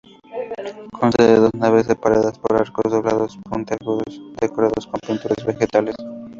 Consta de dos naves separadas por arcos doblados puntiagudos, decorados con pinturas vegetales.